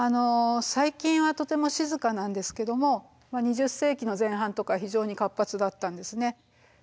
最近はとても静かなんですけども２０世紀の前半とか非常に活発だったんですね。